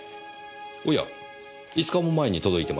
おや５日も前に届いていますねぇ。